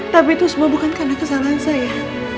tapi itu semua bukan karena kesalahan saya